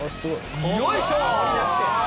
よいしょ。